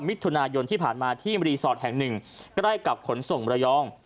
มิถุนายนที่ผ่านมาที่รีสอร์ทแห่งหนึ่งใกล้กับขนส่งระยอง